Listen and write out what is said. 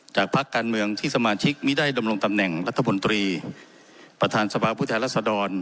พักการเมืองที่สมาชิกมิได้ดำรงตำแหน่งรัฐมนตรีประธานสภาผู้แทนรัศดร